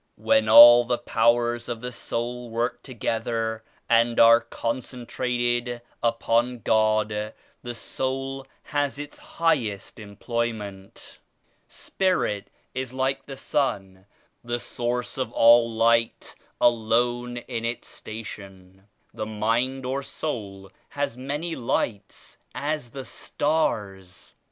When all the powers of the soul work together and are con centrated upon God, the soul has its highest employment. Spirit is like the Sun, the Source of all Light, alone in Its Station. The mind or soul has many lights, as the stars.